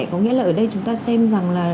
có nghĩa là ở đây chúng ta xem rằng là